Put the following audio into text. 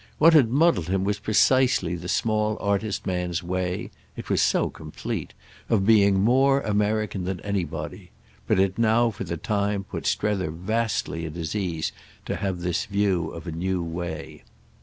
What had muddled him was precisely the small artist man's way—it was so complete—of being more American than anybody. But it now for the time put Strether vastly at his ease to have this view of a new way.